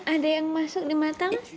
ada yang masuk di matang